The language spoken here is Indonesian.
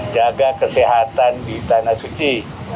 jaga kesehatan di tanah suci